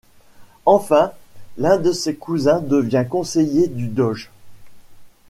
Enfin, l'un de ses cousins devient conseiller du Doge.